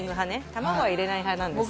卵は入れない派なんですね